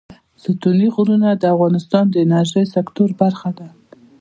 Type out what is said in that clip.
ستوني غرونه د افغانستان د انرژۍ سکتور برخه ده.